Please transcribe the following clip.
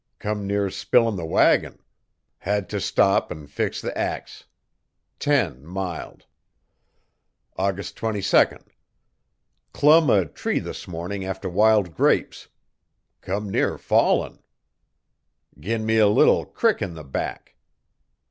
Come near spilin' the wagon. Hed to stop and fix the ex. 10 mild. AUGUST 22 Clumb a tree this morning after wild grapes. Come near falling. Gin me a little crick in the back.